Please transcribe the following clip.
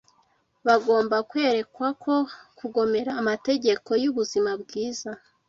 Bagomba kwerekwa ko kugomera amategeko y’ubuzima Bwiza